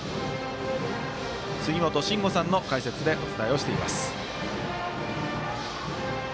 杉本真吾さんの解説でお伝えをしています。